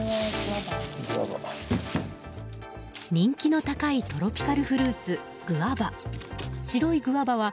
人気の高いトロピカルフルーツグアバ。